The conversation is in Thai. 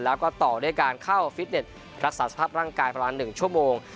แล้วก็ต่อด้วยการเข้าฟิตเน็ตรักษาสภาพร่างกายประมาณ๑ชั่วโมง